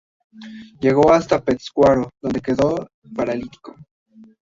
Llegó hasta Pátzcuaro, donde quedó paralítico.